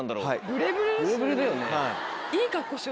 ブレブレだよね。